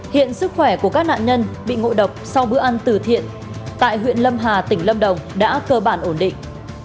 hiện sức khỏe của các nạn nhân bị ngộ độc sau bữa ăn từ thiện tại huyện lâm hà tỉnh lâm đồng đã cơ bản ổn định